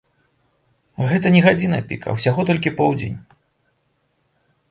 Гэта не гадзіна-пік, а ўсяго толькі поўдзень.